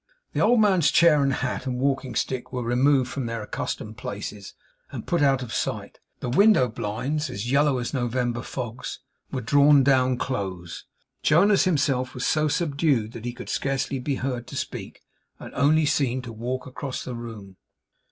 The old man's chair, and hat, and walking stick, were removed from their accustomed places, and put out of sight; the window blinds as yellow as November fogs, were drawn down close; Jonas himself was so subdued, that he could scarcely be heard to speak, and only seen to walk across the room.